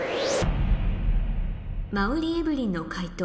馬瓜エブリンの解答